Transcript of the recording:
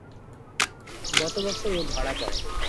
গত বছর ও ধরা পড়ে।